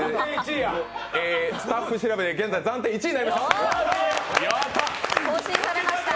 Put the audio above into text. スタッフ調べで現在、暫定１位となりました！